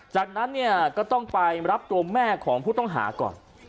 จากนั้นเนี่ยก็ต้องไปรับตัวแม่ของผู้ต้องหาก่อน